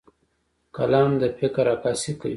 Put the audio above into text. قلم د فکر عکاسي کوي